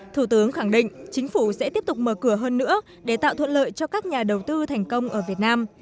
thủ tướng khẳng định chính phủ sẽ tiếp tục mở cửa hơn nữa để tạo thuận lợi cho các nhà đầu tư thành công ở việt nam